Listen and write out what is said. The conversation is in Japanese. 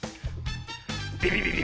ビビビビ！